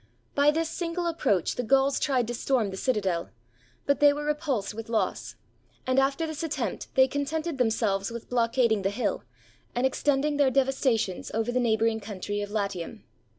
By this single approach the Gauls tried to storm the citadel, but they were re pulsed with loss; and after this attempt they contented themselves with blockading the hill, and extending their devastations over the neighboring country of Latium.